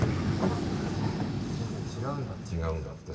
おじいちゃん違うんだって。